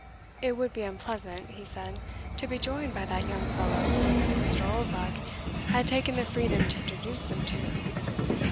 "It would be unpleasant," he said, "to be joined by that young fellow, whom Mr. Oldbuck had taken the freedom to introduce them to."